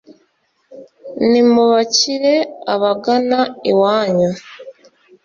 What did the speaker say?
nimubakire abagana iwanyu